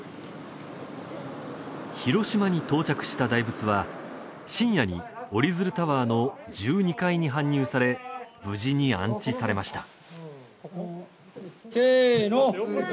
広島に到着した大仏は深夜におりづるタワーの１２階に搬入され無事に、安置されました。